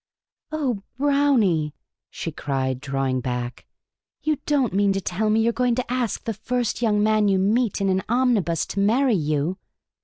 '' Ob, Brownie" The Cantankerous Old Lady 5 she cried, drawing back, " you don' t mean to tell me you 're going to ask the first young man you meet in an omnibus to marry you